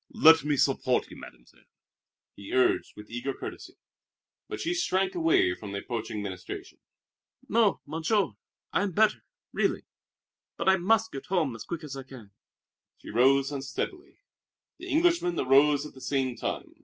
"Let me support you, Mademoiselle," he urged with eager courtesy. But she shrank away from the approaching ministration. "No, Monsieur, I am better, really. But I must get home as quick as I can." She rose unsteadily. The Englishman arose at the same time.